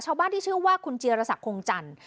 ชาวบ้านที่ชื่อว่าคุณเจียรสักคงจันทร์